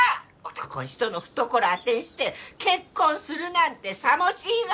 男ん人の懐あてんして結婚するなんてさもしいが！